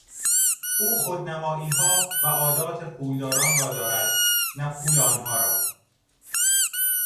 او خودنماییها و عادات پولداران را دارد، نه پول آنها را.